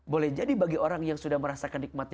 boleh jadi bagi orang yang sudah merasakan nikmatnya